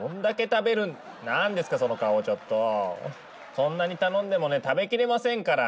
そんなに頼んでもね食べきれませんから！